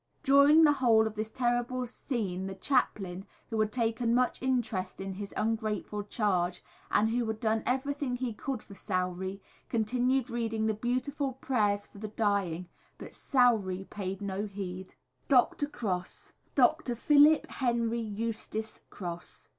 During the whole of this terrible scene the chaplain, who had taken much interest in his ungrateful charge, and who had done everything he could for Sowrey, continued reading the beautiful prayers for the dying; but Sowrey paid no heed. [Illustration: Dr. Cross.] _Dr. Philip Henry Eustace Cross.